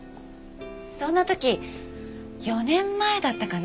そんな時４年前だったかな？